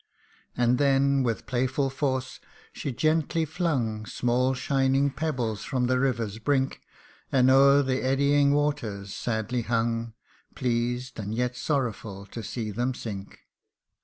And then, with playful force she gently flung Small shining pebbles from the river's brink, And o'er the eddying waters sadly hung, Pleased, and yet sorrowful, to see them sink.